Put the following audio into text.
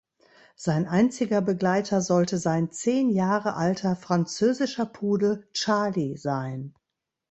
Sein einziger Begleiter sollte sein zehn Jahre alter französischer Pudel Charley sein.